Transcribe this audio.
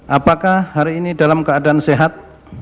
apakah hari ini dalam keadaan sehat